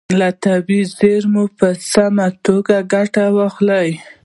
له طبیعي زیرمو په سمه توګه ګټه واخلئ.